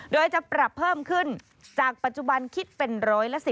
โดยจะปรับเพิ่มขึ้นจากปัจจุบันคิดเป็น๑๔๐